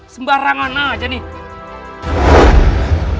sembarangan aja nih